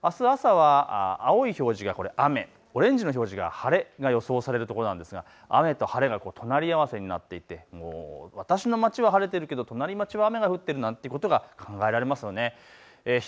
天気の分布で見ますとあす朝は青い表示が雨オレンジの表示が晴れが予想されるところなんですが雨と晴れが隣り合わせになって私の町は晴れているけど隣町は雨が降っているということが考えられますね。